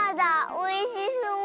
おいしそう！